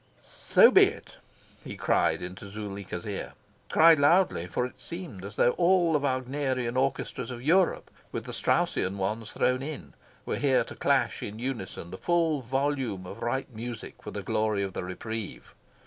"So be it!" he cried into Zuleika's ear cried loudly, for it seemed as though all the Wagnerian orchestras of Europe, with the Straussian ones thrown in, were here to clash in unison the full volume of right music for the glory of the reprieve.